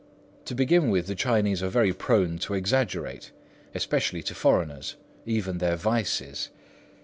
To begin with, the Chinese are very prone to exaggerate, especially to foreigners, even their vices.